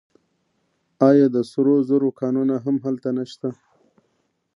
آیا د سرو زرو کانونه هم هلته نشته؟